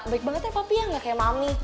baik banget ya papi ya gak kayak mami